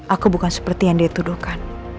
aku bukan seperti yang dia tuduhkan